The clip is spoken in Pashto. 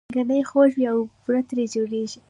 ګنی خوږ وي او بوره ترې جوړیږي